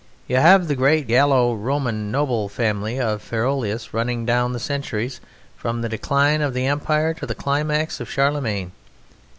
You have the great Gallo Roman noble family of Ferreolus running down the centuries from the Decline of the Empire to the climax of Charlemagne.